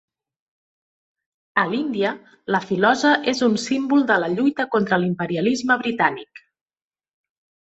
A l'Índia la filosa és un símbol de la lluita contra l'imperialisme britànic.